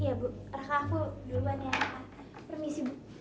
iya bu raka aku duluan ya permisi bu